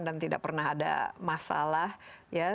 dan tidak pernah ada masalah ya